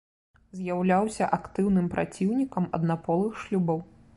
З'яўляўся актыўным праціўнікам аднаполых шлюбаў.